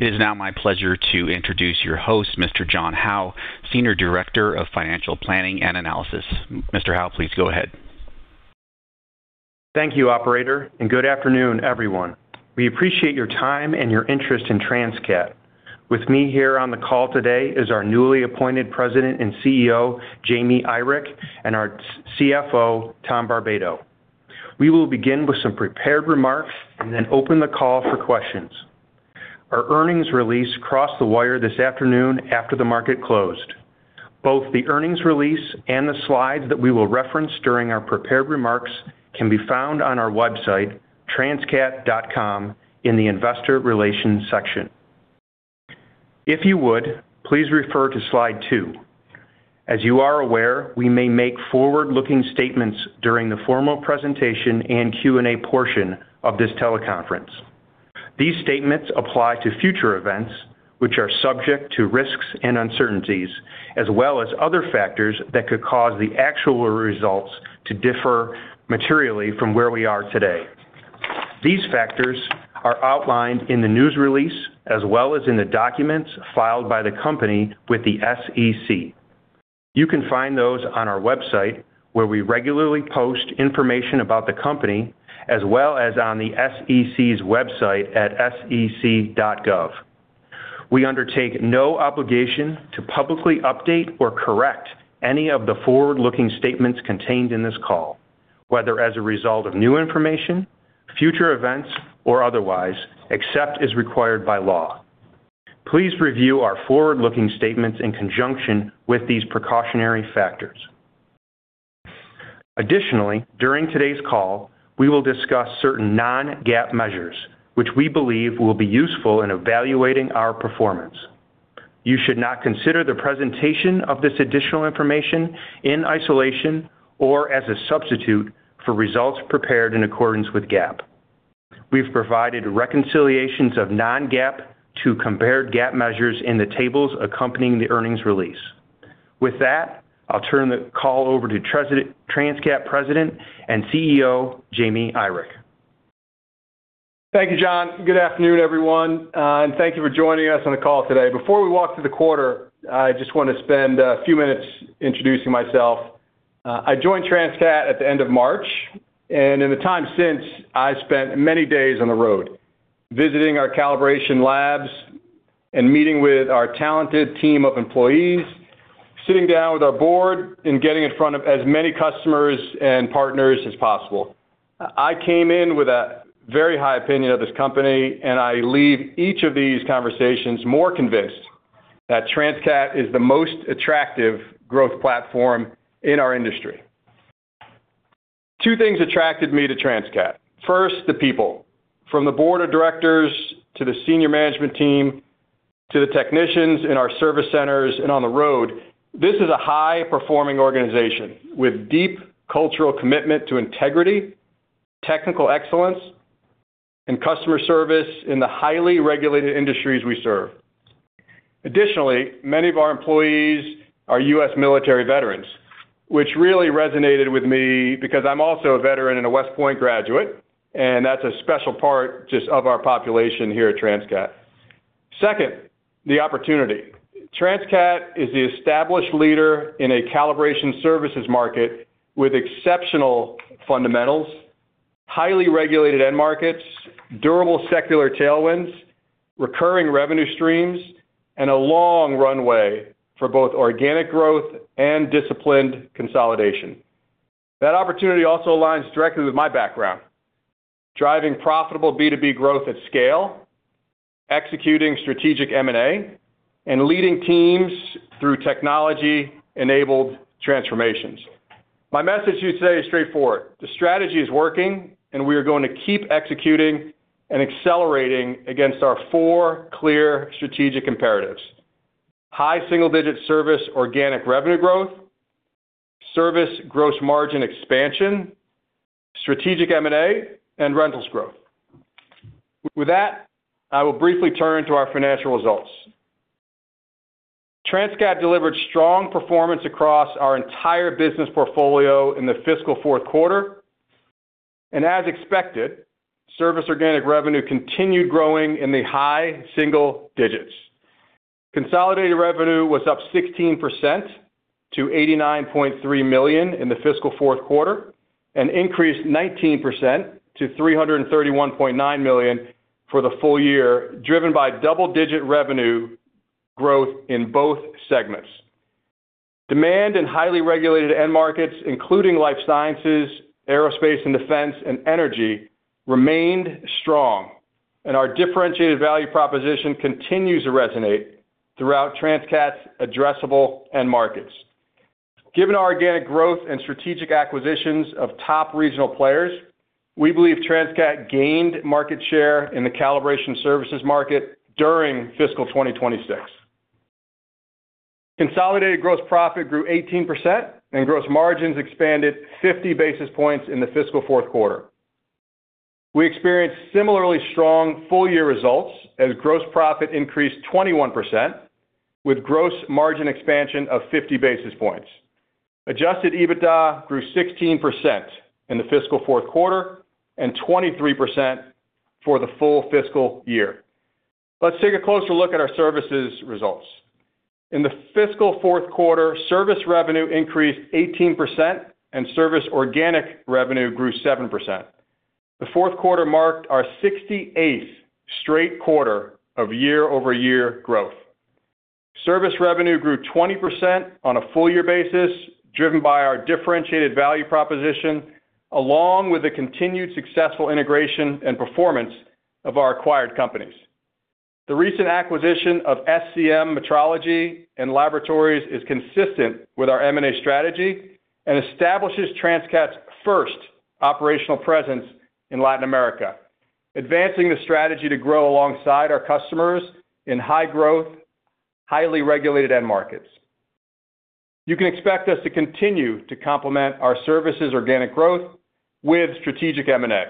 It is now my pleasure to introduce your host, Mr. John Howe, Senior Director of Financial Planning and Analysis. Mr. Howe, please go ahead. Thank you, operator, and good afternoon, everyone. We appreciate your time and your interest in Transcat. With me here on the call today is our newly appointed President and CEO, Jaime Irick, and our CFO, Tom Barbato. We will begin with some prepared remarks and then open the call for questions. Our earnings release crossed the wire this afternoon after the market closed. Both the earnings release and the slides that we will reference during our prepared remarks can be found on our website, transcat.com, in the investor relations section. If you would, please refer to Slide two. As you are aware, we may make forward-looking statements during the formal presentation and Q&A portion of this teleconference. These statements apply to future events, which are subject to risks and uncertainties, as well as other factors that could cause the actual results to differ materially from where we are today. These factors are outlined in the news release, as well as in the documents filed by the company with the SEC. You can find those on our website, where we regularly post information about the company, as well as on the SEC's website at sec.gov. We undertake no obligation to publicly update or correct any of the forward-looking statements contained in this call, whether as a result of new information, future events, or otherwise, except as required by law. Please review our forward-looking statements in conjunction with these precautionary factors. Additionally, during today's call, we will discuss certain non-GAAP measures which we believe will be useful in evaluating our performance. You should not consider the presentation of this additional information in isolation or as a substitute for results prepared in accordance with GAAP. We've provided reconciliations of non-GAAP to compared GAAP measures in the tables accompanying the earnings release. With that, I'll turn the call over to Transcat President and CEO, Jaime Irick. Thank you, John. Good afternoon, everyone, thank you for joining us on the call today. Before we walk through the quarter, I just want to spend a few minutes introducing myself. I joined Transcat at the end of March, and in the time since, I've spent many days on the road visiting our calibration labs and meeting with our talented team of employees, sitting down with our board, and getting in front of as many customers and partners as possible. I came in with a very high opinion of this company, and I leave each of these conversations more convinced that Transcat is the most attractive growth platform in our industry. Two things attracted me to Transcat. First, the people. From the board of directors to the senior management team to the technicians in our service centers and on the road, this is a high-performing organization with deep cultural commitment to integrity, technical excellence, and customer service in the highly regulated industries we serve. Additionally, many of our employees are U.S. military veterans, which really resonated with me because I'm also a veteran and a West Point graduate, and that's a special part just of our population here at Transcat. Second, the opportunity. Transcat is the established leader in a calibration services market with exceptional fundamentals, highly regulated end markets, durable secular tailwinds, recurring revenue streams, and a long runway for both organic growth and disciplined consolidation. That opportunity also aligns directly with my background: driving profitable B2B growth at scale, executing strategic M&A, and leading teams through technology-enabled transformations. My message to you today is straightforward. The strategy is working, and we are going to keep executing and accelerating against our four clear strategic imperatives: high single-digit service organic revenue growth, service gross margin expansion, strategic M&A, and rentals growth. With that, I will briefly turn to our financial results. Transcat delivered strong performance across our entire business portfolio in the fiscal fourth quarter. As expected, service organic revenue continued growing in the high single digits. Consolidated revenue was up 16% to $89.3 million in the fiscal fourth quarter and increased 19% to $331.9 million for the full year, driven by double-digit revenue growth in both segments. Demand in highly regulated end markets, including life sciences, aerospace and defense, and energy, remained strong, and our differentiated value proposition continues to resonate throughout Transcat's addressable end markets. Given our organic growth and strategic acquisitions of top regional players, we believe Transcat gained market share in the calibration services market during fiscal 2026. Consolidated gross profit grew 18%, and gross margins expanded 50 basis points in the fiscal fourth quarter. We experienced similarly strong full-year results as gross profit increased 21%, with gross margin expansion of 50 basis points. Adjusted EBITDA grew 16% in the fiscal fourth quarter and 23% for the full fiscal year. Let's take a closer look at our services results. In the fiscal fourth quarter, service revenue increased 18%, and service organic revenue grew 7%. The fourth quarter marked our 68th straight quarter of year-over-year growth. Service revenue grew 20% on a full-year basis, driven by our differentiated value proposition, along with the continued successful integration and performance of our acquired companies. The recent acquisition of SCM Metrology and Laboratories is consistent with our M&A strategy and establishes Transcat's first operational presence in Latin America, advancing the strategy to grow alongside our customers in high-growth, highly regulated end markets. You can expect us to continue to complement our services organic growth with strategic M&A.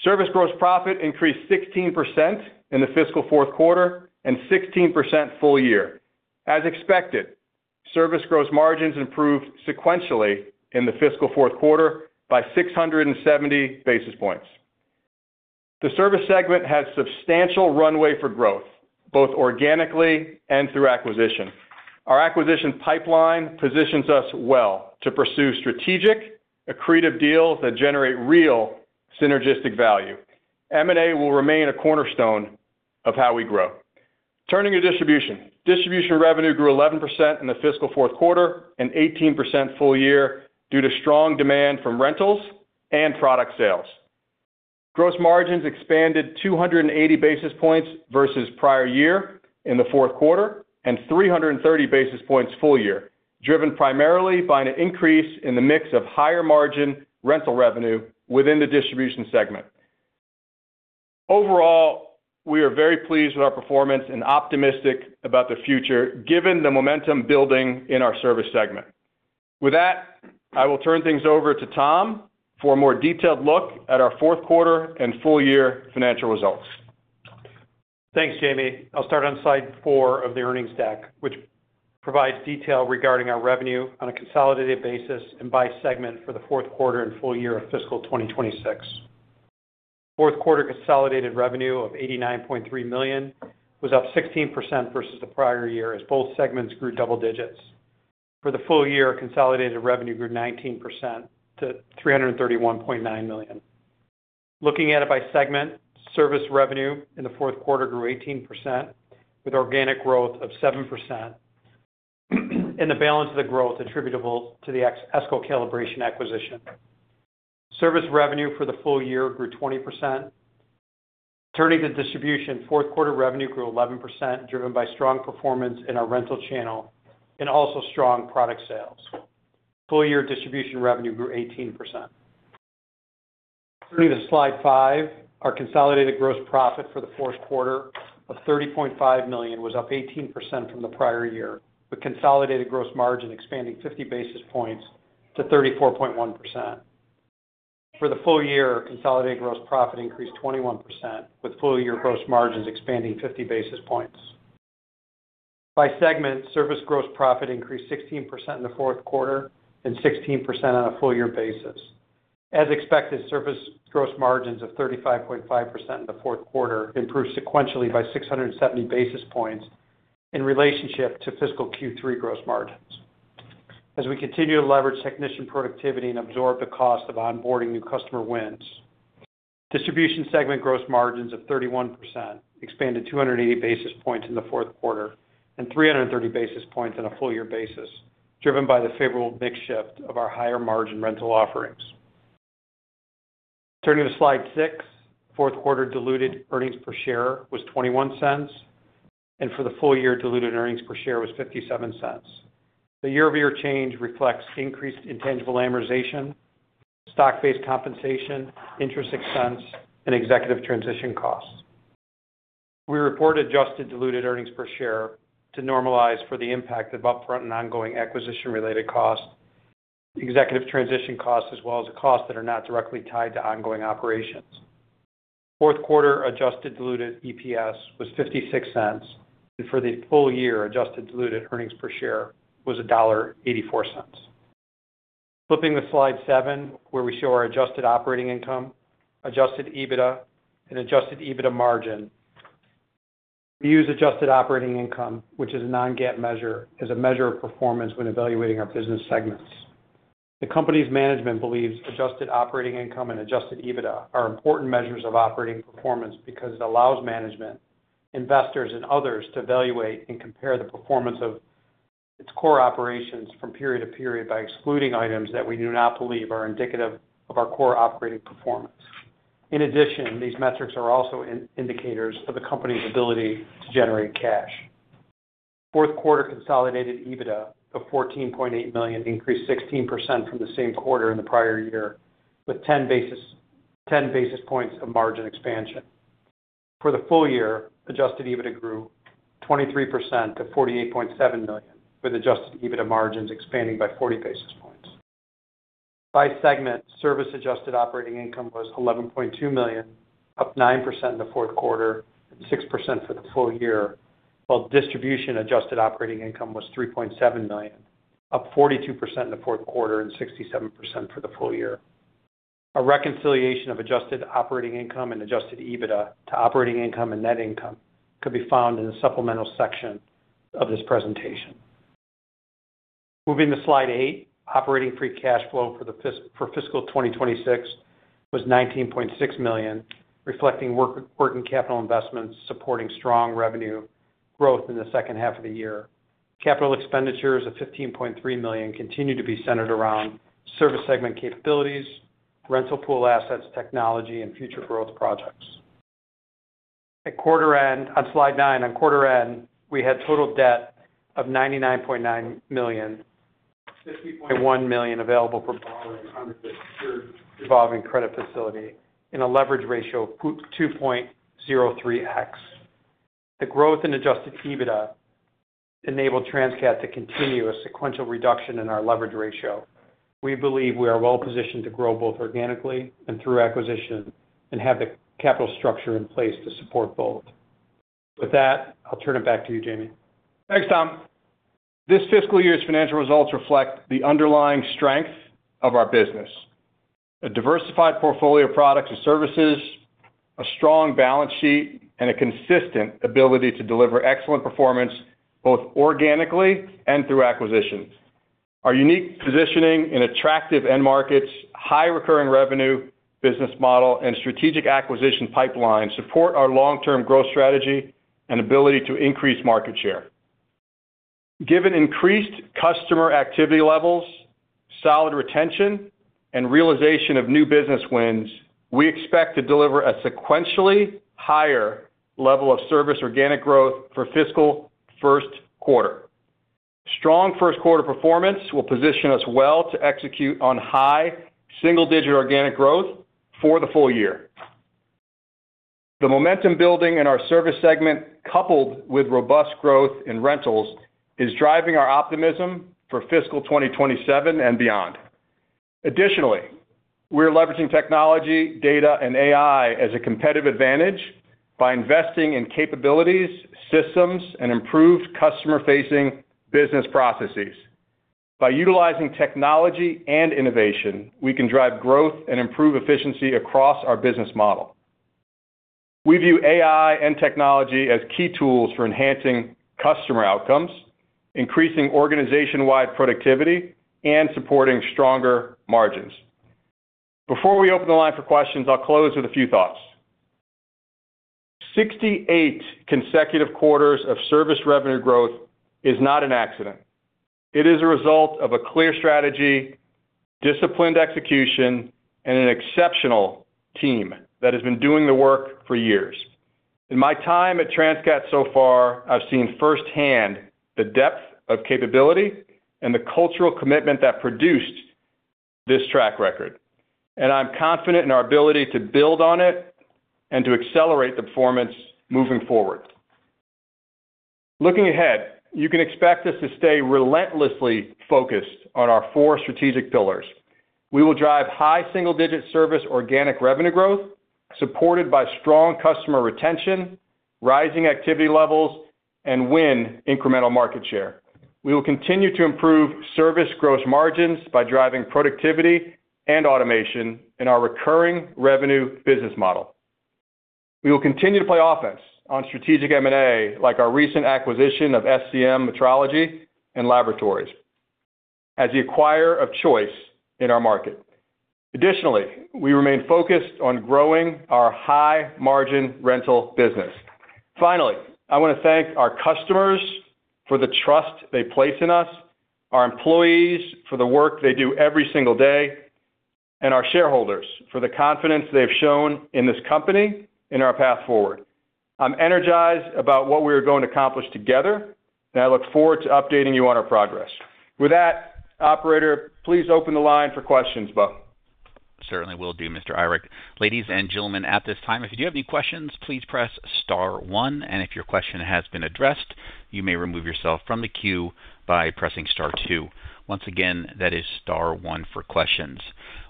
Service gross profit increased 16% in the fiscal fourth quarter and 16% full year. As expected, service gross margins improved sequentially in the fiscal fourth quarter by 670 basis points. The service segment has substantial runway for growth, both organically and through acquisition. Our acquisition pipeline positions us well to pursue strategic, accretive deals that generate real synergistic value. M&A will remain a cornerstone of how we grow. Turning to distribution. Distribution revenue grew 11% in the fiscal fourth quarter and 18% full year due to strong demand from rentals and product sales. Gross margins expanded 280 basis points versus prior year in the fourth quarter and 330 basis points full year, driven primarily by an increase in the mix of higher-margin rental revenue within the distribution segment. Overall, we are very pleased with our performance and optimistic about the future given the momentum building in our service segment. With that, I will turn things over to Tom for a more detailed look at our fourth quarter and full-year financial results. Thanks, Jaime. I'll start on slide four of the earnings deck, which provides detail regarding our revenue on a consolidated basis and by segment for the fourth quarter and full year of fiscal 2026. Fourth quarter consolidated revenue of $89.3 million was up 16% versus the prior year as both segments grew double digits. For the full year, consolidated revenue grew 19% to $331.9 million. Looking at it by segment, service revenue in the fourth quarter grew 18%, with organic growth of 7% and the balance of the growth attributable to the Essco Calibration acquisition. Service revenue for the full year grew 20%. Turning to distribution, fourth quarter revenue grew 11%, driven by strong performance in our rental channel and also strong product sales. Full year distribution revenue grew 18%. Turning to slide five. Our consolidated gross profit for the fourth quarter of $30.5 million was up 18% from the prior year, with consolidated gross margin expanding 50 basis points to 34.1%. For the full year, consolidated gross profit increased 21%, with full-year gross margins expanding 50 basis points. By segment, service gross profit increased 16% in the fourth quarter and 16% on a full-year basis. As expected, service gross margins of 35.5% in the fourth quarter improved sequentially by 670 basis points in relationship to fiscal Q3 gross margins as we continue to leverage technician productivity and absorb the cost of onboarding new customer wins. Distribution segment gross margins of 31% expanded 280 basis points in the fourth quarter and 330 basis points on a full-year basis, driven by the favorable mix shift of our higher-margin rental offerings. Turning to slide six. Fourth quarter diluted earnings per share was $0.21, and for the full year, diluted earnings per share was $0.57. The year-over-year change reflects increased intangible amortization, stock-based compensation, interest expense, and executive transition costs. We report adjusted diluted earnings per share to normalize for the impact of upfront and ongoing acquisition-related costs, executive transition costs, as well as the costs that are not directly tied to ongoing operations. Fourth quarter adjusted diluted EPS was $0.56, and for the full year, adjusted diluted earnings per share was $1.84. Flipping to slide seven, where we show our adjusted operating income, adjusted EBITDA, and adjusted EBITDA margin. We use adjusted operating income, which is a non-GAAP measure, as a measure of performance when evaluating our business segments. The company's management believes adjusted operating income and adjusted EBITDA are important measures of operating performance because it allows management, investors, and others to evaluate and compare the performance of its core operations from period to period by excluding items that we do not believe are indicative of our core operating performance. In addition, these metrics are also indicators of the company's ability to generate cash. Fourth quarter consolidated EBITDA of $14.8 million increased 16% from the same quarter in the prior year, with 10 basis points of margin expansion. For the full year, adjusted EBITDA grew 23% to $48.7 million, with adjusted EBITDA margins expanding by 40 basis points. By segment, service adjusted operating income was $11.2 million, up 9% in the fourth quarter and 6% for the full year. While distribution adjusted operating income was $3.7 million, up 42% in the fourth quarter and 67% for the full year. A reconciliation of adjusted operating income and adjusted EBITDA to operating income and net income could be found in the supplemental section of this presentation. Moving to slide eight, operating free cash flow for fiscal 2026 was $19.6 million, reflecting working capital investments supporting strong revenue growth in the second half of the year. Capital expenditures of $15.3 million continue to be centered around service segment capabilities, rental pool assets, technology, and future growth projects. On slide nine, on quarter end, we had total debt of $99.9 million, $50.1 million available for borrowing under the third revolving credit facility in a leverage ratio of 2.03x. The growth in adjusted EBITDA enabled Transcat to continue a sequential reduction in our leverage ratio. We believe we are well positioned to grow both organically and through acquisition, and have the capital structure in place to support both. With that, I'll turn it back to you, Jaime. Thanks, Tom. This fiscal year's financial results reflect the underlying strength of our business. A diversified portfolio of products and services, a strong balance sheet, and a consistent ability to deliver excellent performance both organically and through acquisitions. Our unique positioning in attractive end markets, high recurring revenue business model, and strategic acquisition pipeline support our long-term growth strategy and ability to increase market share. Given increased customer activity levels, solid retention, and realization of new business wins, we expect to deliver a sequentially higher level of service organic growth for fiscal first quarter. Strong first quarter performance will position us well to execute on high single-digit organic growth for the full year. The momentum building in our service segment, coupled with robust growth in rentals, is driving our optimism for fiscal 2027 and beyond. Additionally, we're leveraging technology, data, and AI as a competitive advantage by investing in capabilities, systems, and improved customer-facing business processes. By utilizing technology and innovation, we can drive growth and improve efficiency across our business model. We view AI and technology as key tools for enhancing customer outcomes, increasing organization-wide productivity, and supporting stronger margins. Before we open the line for questions, I'll close with a few thoughts. 68 consecutive quarters of service revenue growth is not an accident. It is a result of a clear strategy, disciplined execution, and an exceptional team that has been doing the work for years. In my time at Transcat so far, I've seen firsthand the depth of capability and the cultural commitment that produced this track record, and I'm confident in our ability to build on it and to accelerate the performance moving forward. Looking ahead, you can expect us to stay relentlessly focused on our four strategic pillars. We will drive high single-digit service organic revenue growth, supported by strong customer retention, rising activity levels, and win incremental market share. We will continue to improve service gross margins by driving productivity and automation in our recurring revenue business model. We will continue to play offense on strategic M&A, like our recent acquisition of SCM Metrology and Laboratories, as the acquirer of choice in our market. Additionally, we remain focused on growing our high-margin rental business. Finally, I want to thank our customers for the trust they place in us, our employees for the work they do every single day, and our shareholders for the confidence they've shown in this company and our path forward. I'm energized about what we are going to accomplish together, and I look forward to updating you on our progress. With that, operator, please open the line for questions, Bo. Certainly will do, Mr. Irick. Ladies and gentlemen, at this time, if you do have any questions, please press star one, and if your question has been addressed, you may remove yourself from the queue by pressing star two. Once again, that is star one for questions.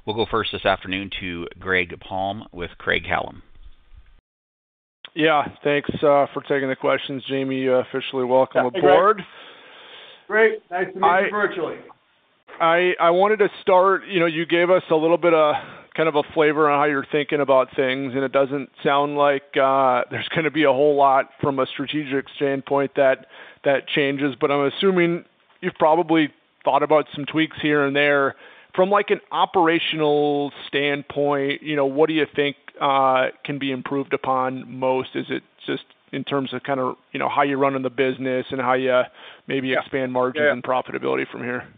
We will go first this afternoon to Greg Palm with Craig-Hallum. Yeah. Thanks for taking the questions, Jaime. Officially welcome aboard. Hey, Greg. Great. Nice to meet you virtually. I wanted to start, you gave us a little bit of kind of a flavor on how you're thinking about things. It doesn't sound like there's going to be a whole lot from a strategic standpoint that changes. I'm assuming you've probably thought about some tweaks here and there. From an operational standpoint, what do you think can be improved upon most? Is it just in terms of how you're running the business and how you maybe expand margins? Yeah Profitability from here? Yeah,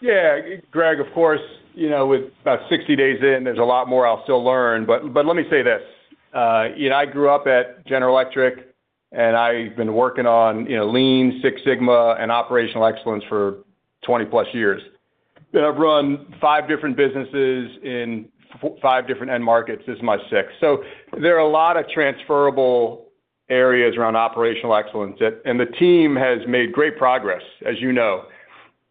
Greg, of course, with about 60 days in, there's a lot more I'll still learn, but let me say this. I grew up at General Electric, and I've been working on Lean Six Sigma, and operational excellence for 20+ years. I've run five different businesses in five different end markets. This is my sixth. There are a lot of transferable areas around operational excellence. The team has made great progress, as you know.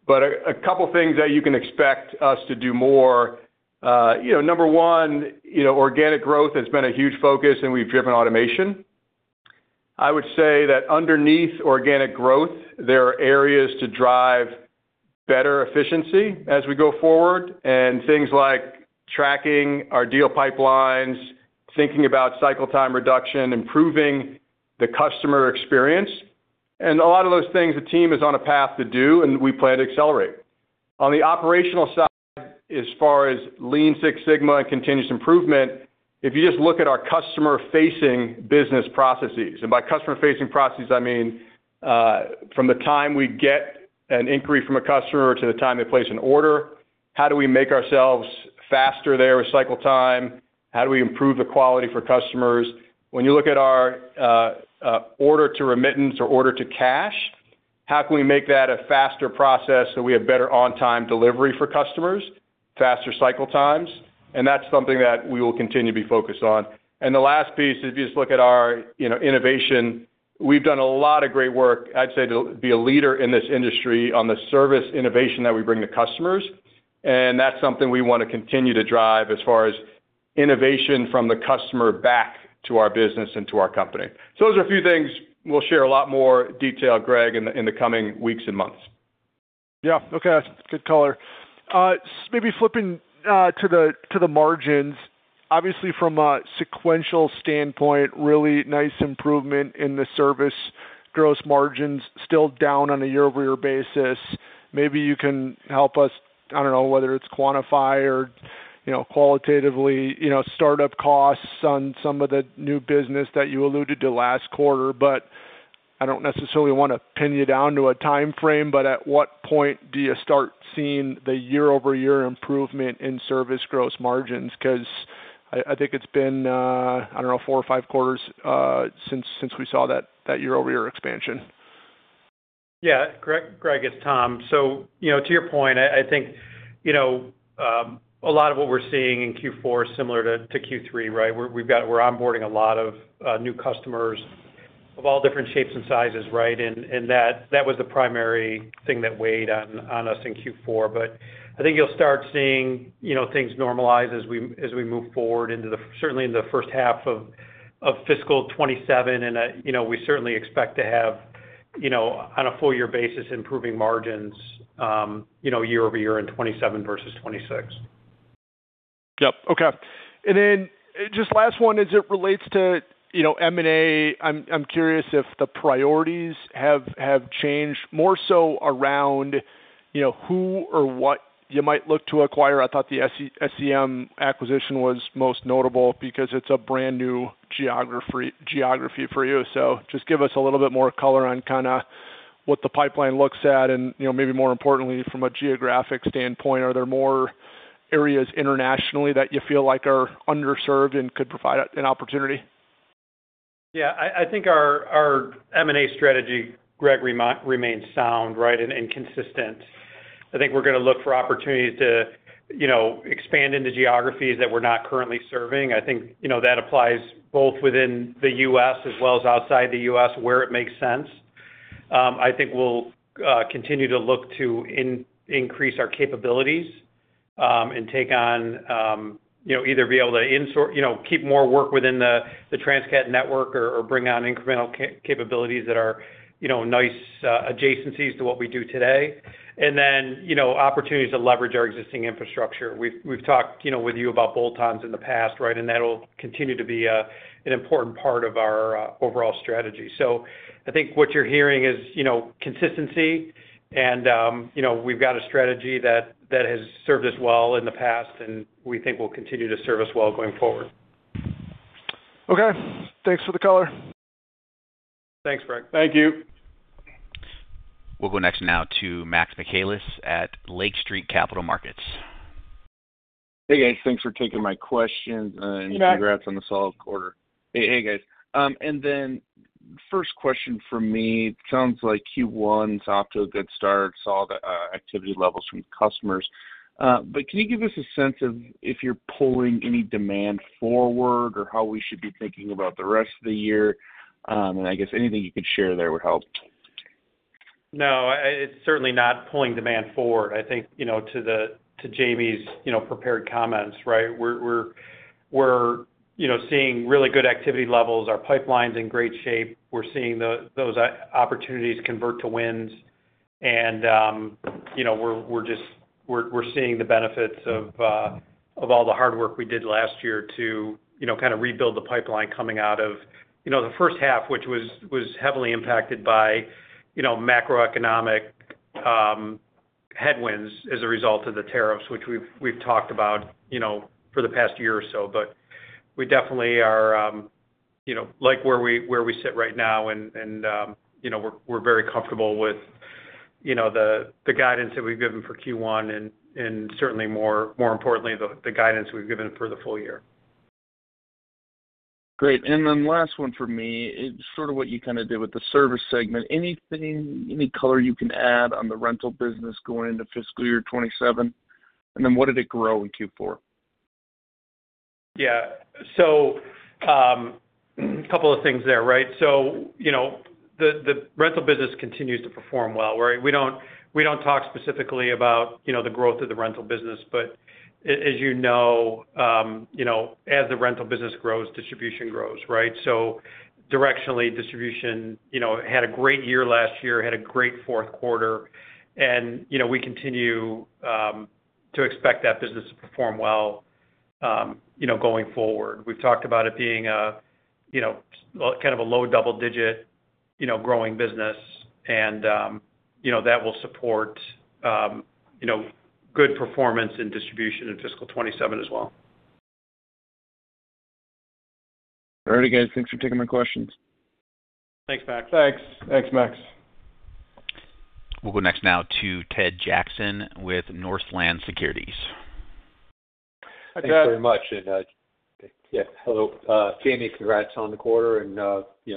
A couple of things that you can expect us to do more. Number one, organic growth has been a huge focus, and we've driven automation. I would say that underneath organic growth, there are areas to drive better efficiency as we go forward, and things like tracking our deal pipelines, thinking about cycle time reduction, improving the customer experience. A lot of those things the team is on a path to do, and we plan to accelerate. On the operational side, as far as Lean Six Sigma and continuous improvement, if you just look at our customer-facing business processes, by customer-facing processes, I mean from the time we get an inquiry from a customer to the time they place an order, how do we make ourselves faster there with cycle time? How do we improve the quality for customers? When you look at our order to remittance or order to cash, how can we make that a faster process so we have better on-time delivery for customers, faster cycle times? That's something that we will continue to be focused on. The last piece is just look at our innovation. We've done a lot of great work, I'd say, to be a leader in this industry on the service innovation that we bring to customers. That's something we want to continue to drive as far as innovation from the customer back to our business and to our company. Those are a few things. We'll share a lot more detail, Greg, in the coming weeks and months. Yeah. Okay. Good color. Maybe flipping to the margins, obviously from a sequential standpoint, really nice improvement in the service. Gross margins still down on a year-over-year basis. Maybe you can help us, I don't know whether it's quantify or qualitatively, startup costs on some of the new business that you alluded to last quarter, but I don't necessarily want to pin you down to a timeframe, but at what point do you start seeing the year-over-year improvement in service gross margins? I think it's been, I don't know, four or five quarters since we saw that year-over-year expansion. Yeah. Greg, it's Tom. To your point, I think, a lot of what we're seeing in Q4 is similar to Q3, right? We're onboarding a lot of new customers of all different shapes and sizes, right? That was the primary thing that weighed on us in Q4. I think you'll start seeing things normalize as we move forward certainly in the first half of fiscal 2027. We certainly expect to have on a full year basis, improving margins year-over-year in 2027 versus 2026. Yep. Okay. Just last one as it relates to M&A, I'm curious if the priorities have changed more so around who or what you might look to acquire. I thought the SCM acquisition was most notable because it's a brand-new geography for you. Just give us a little bit more color on what the pipeline looks at, and maybe more importantly, from a geographic standpoint, are there more areas internationally that you feel like are underserved and could provide an opportunity? Yeah, I think our M&A strategy, Greg, remains sound and consistent. I think we're going to look for opportunities to expand into geographies that we're not currently serving. I think that applies both within the U.S. as well as outside the U.S. where it makes sense. I think we'll continue to look to increase our capabilities, and either be able to keep more work within the Transcat network or bring on incremental capabilities that are nice adjacencies to what we do today. Opportunities to leverage our existing infrastructure. We've talked with you about bolt-ons in the past, and that'll continue to be an important part of our overall strategy. I think what you're hearing is consistency and we've got a strategy that has served us well in the past, and we think will continue to serve us well going forward. Okay. Thanks for the color. Thanks, Greg. Thank you. We'll go next now to Max Michaelis at Lake Street Capital Markets. Hey, guys. Thanks for taking my questions. You bet. Congrats on a solid quarter. Hey, guys. First question from me, sounds like Q1's off to a good start, saw the activity levels from customers. Can you give us a sense of if you're pulling any demand forward or how we should be thinking about the rest of the year? I guess anything you could share there would help. It's certainly not pulling demand forward. I think, to Jaime's prepared comments, we're seeing really good activity levels. Our pipeline's in great shape. We're seeing those opportunities convert to wins, and we're seeing the benefits of all the hard work we did last year to kind of rebuild the pipeline coming out of the first half, which was heavily impacted by macroeconomic headwinds as a result of the tariffs, which we've talked about for the past year or so. We definitely like where we sit right now, and we're very comfortable with the guidance that we've given for Q1, and certainly more importantly, the guidance we've given for the full year. Great. Last one for me. It's sort of what you kind of did with the service segment. Any color you can add on the rental business going into fiscal year 2027? What did it grow in Q4? Yeah. A couple of things there. The rental business continues to perform well. We don't talk specifically about the growth of the rental business. As you know, as the rental business grows, distribution grows, right? Directionally, distribution had a great year last year, had a great fourth quarter, and we continue to expect that business to perform well going forward. We've talked about it being a low double-digit growing business, and that will support good performance in distribution in fiscal 2027 as well. All righty, guys. Thanks for taking my questions. Thanks, Max. Thanks. Thanks, Max. We'll go next now to Ted Jackson with Northland Securities. Hi, guys. Thanks very much. Hello, Jaime. Congrats on the quarter and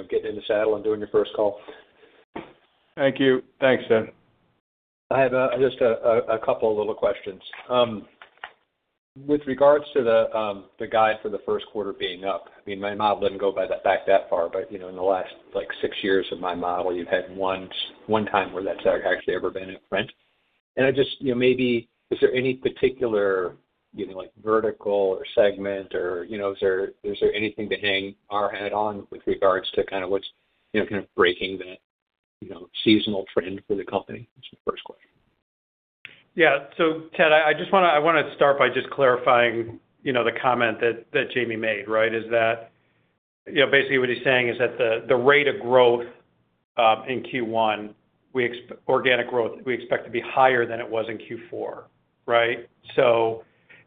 getting in the saddle and doing your first call. Thank you. Thanks, Ted. I have just a couple of little questions. With regards to the guide for the first quarter being up, my model doesn't go back that far, but in the last six years of my model, you've had one time where that's actually ever been in print. Maybe is there any particular vertical or segment, or is there anything to hang our head on with regards to what's kind of breaking the seasonal trend for the company? That's my first question. Yeah. Ted, I want to start by just clarifying the comment that Jaime made. Basically, what he's saying is that the rate of growth in Q1, organic growth, we expect to be higher than it was in Q4.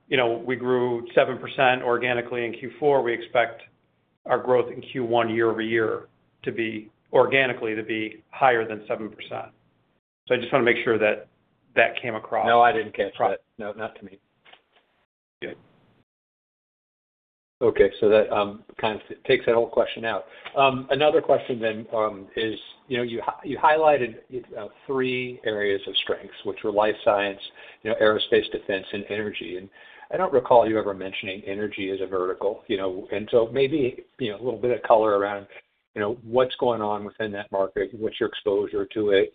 We grew 7% organically in Q4. We expect our growth in Q1 year-over-year, organically, to be higher than 7%. I just want to make sure that that came across. No, I didn't catch that. No, not to me. Good. Okay, that kind of takes that whole question out. Another question is, you highlighted three areas of strengths, which were life science, aerospace, defense, and energy. I don't recall you ever mentioning energy as a vertical. Maybe a little bit of color around what's going on within that market, what's your exposure to it,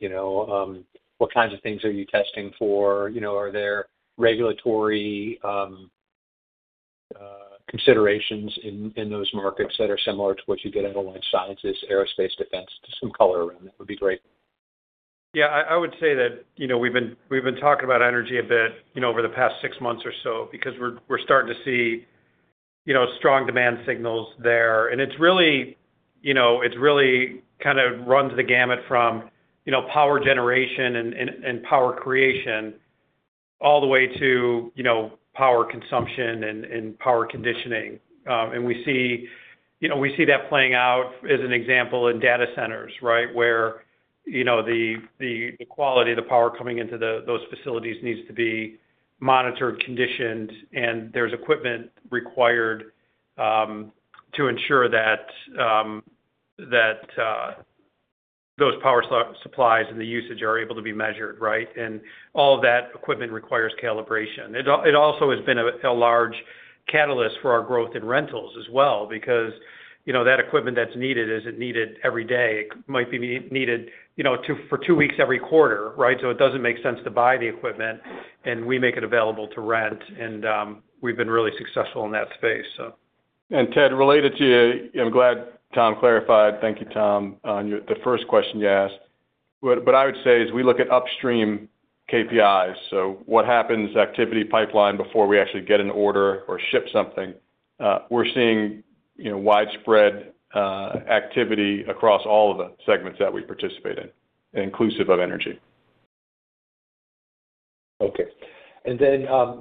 what kinds of things are you testing for? Are there regulatory considerations in those markets that are similar to what you get out of life sciences, aerospace, defense? Just some color around that would be great. Yeah, I would say that we've been talking about energy a bit over the past six months or so because we're starting to see strong demand signals there. It really kind of runs the gamut from power generation and power creation all the way to power consumption and power conditioning. We see that playing out as an example in data centers. Where the quality of the power coming into those facilities needs to be monitored, conditioned, and there's equipment required to ensure that those power supplies and the usage are able to be measured. All of that equipment requires calibration. It also has been a large catalyst for our growth in rentals as well, because that equipment that's needed isn't needed every day. It might be needed for two weeks every quarter. It doesn't make sense to buy the equipment, and we make it available to rent. We've been really successful in that space. Ted, related to you, I'm glad Tom clarified. Thank you, Tom, on the first question you asked. What I would say is we look at upstream KPIs, so what happens activity pipeline before we actually get an order or ship something. We're seeing widespread activity across all of the segments that we participate in, inclusive of energy. Okay.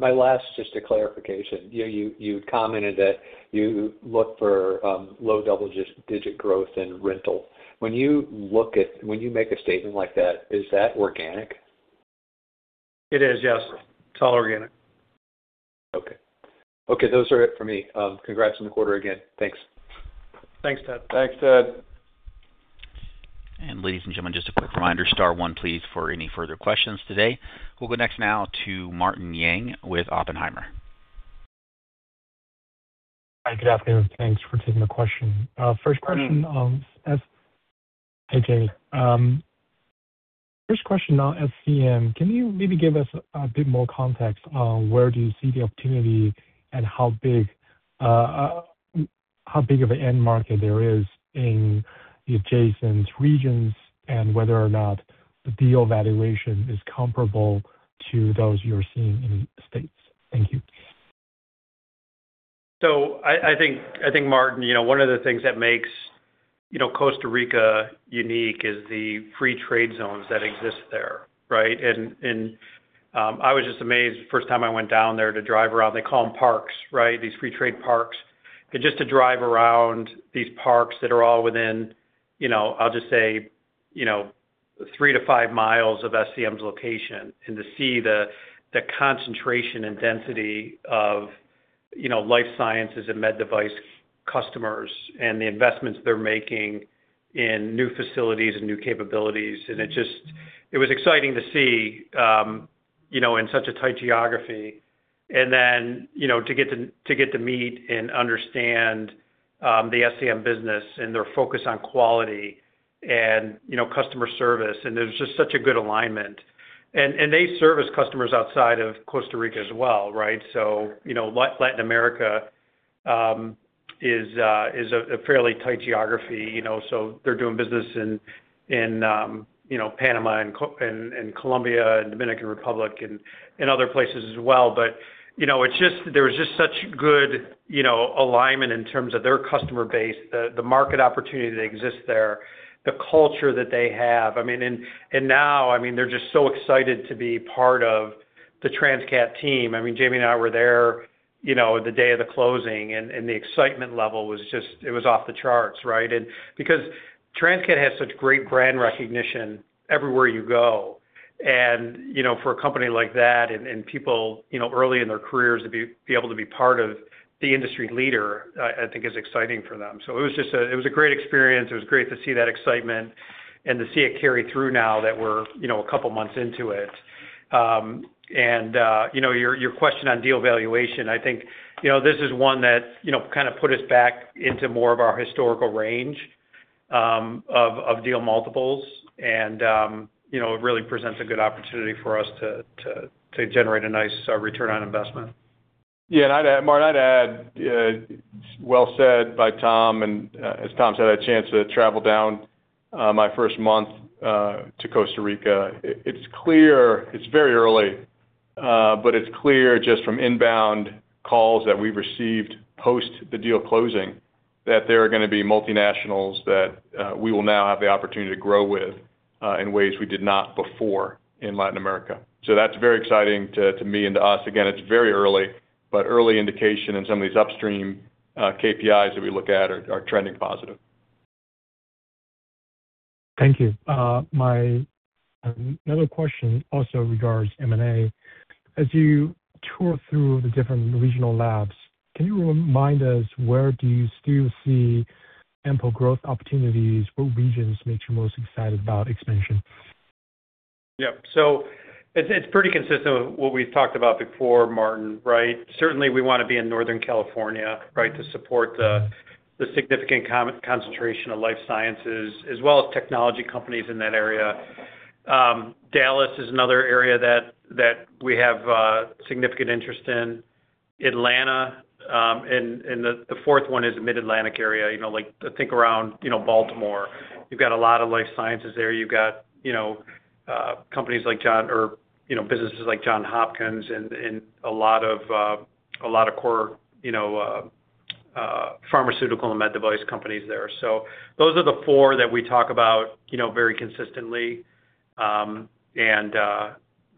My last, just a clarification. You commented that you look for low double-digit growth in rental. When you make a statement like that, is that organic? It is, yes. It's all organic. Okay. Those are it for me. Congrats on the quarter again. Thanks. Thanks, Ted. Thanks, Ted. ladies and gentlemen, just a quick reminder, star one please for any further questions today. We'll go next now to Martin Yang with Oppenheimer. Hi, good afternoon. Thanks for taking the question. Hi, Jaime. First question on SCM. Can you maybe give us a bit more context on where do you see the opportunity and how big of an end market there is in the adjacent regions and whether or not the deal valuation is comparable to those you're seeing in the U.S.? Thank you. I think, Martin, one of the things that makes Costa Rica unique is the free trade zones that exist there. I was just amazed the first time I went down there to drive around. They call them parks. These free trade parks. Just to drive around these parks that are all within, I'll just say, three to five miles of SCM's location and to see the concentration and density of life sciences and med device customers and the investments they're making in new facilities and new capabilities. It was exciting to see in such a tight geography. Then to get to meet and understand the SCM business and their focus on quality and customer service, and there's just such a good alignment. They service customers outside of Costa Rica as well, right? Latin America is a fairly tight geography. They're doing business in Panama and Colombia and Dominican Republic and in other places as well. There was just such good alignment in terms of their customer base, the market opportunity that exists there, the culture that they have. Now, they're just so excited to be part of the Transcat team. Jaime and I were there the day of the closing, and the excitement level was just off the charts, right. Because Transcat has such great brand recognition everywhere you go, and for a company like that and people early in their careers to be able to be part of the industry leader, I think is exciting for them. It was a great experience. It was great to see that excitement and to see it carry through now that we're a couple of months into it. Your question on deal valuation, I think this is one that kind of put us back into more of our historical range of deal multiples. It really presents a good opportunity for us to generate a nice return on investment. Martin, I'd add, well said by Tom. As Tom said, I had a chance to travel down my first month to Costa Rica. It's very early, it's clear just from inbound calls that we've received post the deal closing, that there are going to be multinationals that we will now have the opportunity to grow with, in ways we did not before in Latin America. That's very exciting to me and to us. Again, it's very early indication in some of these upstream KPIs that we look at are trending positive. Thank you. My another question also regards M&A. As you tour through the different regional labs, can you remind us where do you still see ample growth opportunities? What regions make you most excited about expansion? Yep. It's pretty consistent with what we've talked about before, Martin, right? Certainly, we want to be in Northern California, right, to support the significant concentration of life sciences as well as technology companies in that area. Dallas is another area that we have significant interest in. Atlanta. The fourth one is the Mid-Atlantic area, think around Baltimore. You've got a lot of life sciences there. You've got businesses like Johns Hopkins and a lot of core pharmaceutical and med device companies there. Those are the four that we talk about very consistently.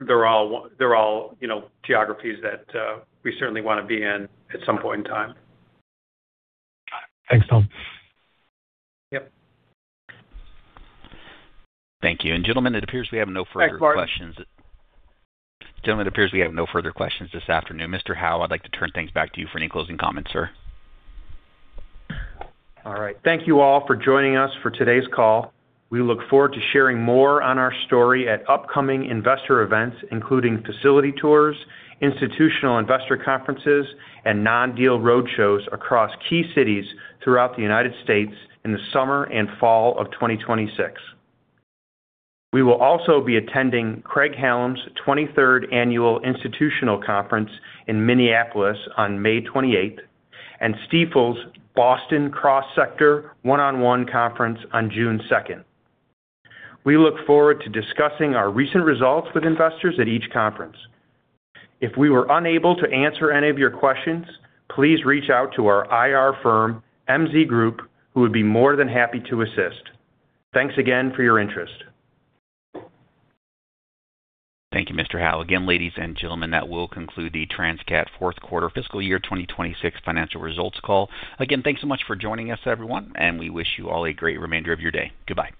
They're all geographies that we certainly want to be in at some point in time. Thanks, Tom. Yep. Thank you. Gentlemen, it appears we have no further questions. Thanks, Martin. Gentlemen, it appears we have no further questions this afternoon. Mr. Howe, I'd like to turn things back to you for any closing comments, sir. All right. Thank you all for joining us for today's call. We look forward to sharing more on our story at upcoming investor events, including facility tours, institutional investor conferences, and non-deal roadshows across key cities throughout the U.S. in the summer and fall of 2026. We will also be attending Craig-Hallum's 23rd Annual Institutional Conference in Minneapolis on May 28th, and Stifel's Boston Cross Sector 1x1 Conference on June 2nd. We look forward to discussing our recent results with investors at each conference. If we were unable to answer any of your questions, please reach out to our IR firm, MZ Group, who would be more than happy to assist. Thanks again for your interest. Thank you, Mr. Howe. Again, ladies and gentlemen, that will conclude the Transcat fourth quarter fiscal year 2026 financial results call. Again, thanks so much for joining us, everyone, and we wish you all a great remainder of your day. Goodbye.